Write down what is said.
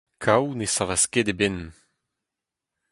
Kaou ne savas ket e benn.